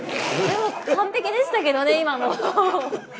完璧でしたけどね、今の。